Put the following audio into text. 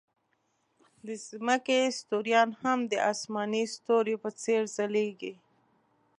د ځمکې ستوریان هم د آسماني ستوریو په څېر ځلېږي.